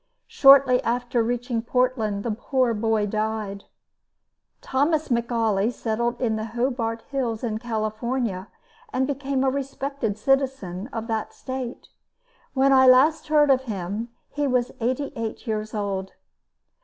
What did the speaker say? Shortly after reaching Portland the poor boy died. Thomas McAuley settled in the Hobart hills in California and became a respected citizen of that state. When last I heard of him he was eighty eight years old.